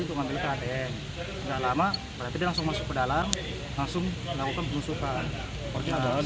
besar tarik keluar dia maksa masuk lagi